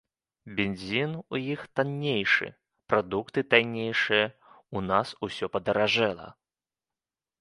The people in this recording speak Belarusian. Бензін у іх таннейшы, прадукты таннейшыя, у нас усё падаражэла!